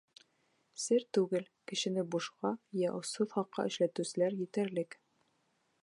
Сер түгел: кешене бушҡа, йә осһоҙ хаҡҡа эшләтеүселәр етерлек.